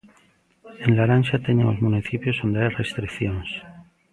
En laranxa teñen os municipios onde hai restricións.